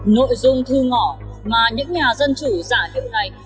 nội dung thư ngỏ mà những nhà dân chủ giả hiệu này